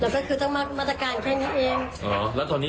เพื่อความการไม่ให้บ้าง